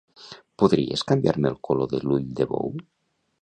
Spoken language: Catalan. Podries canviar-me el color de l'ull de bou?